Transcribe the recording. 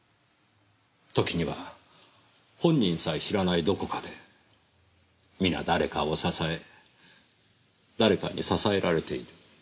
時には本人さえ知らないどこかでみな誰かを支え誰かに支えられている。